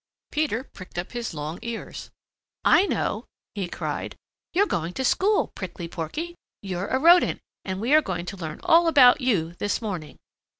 Peter pricked up his long ears. "I know!" he cried. "You're going to school, Prickly Porky. You're a Rodent, and we are going to learn all about you this morning."